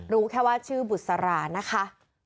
รู้แค่ว่าชื่อบุษรานะคะ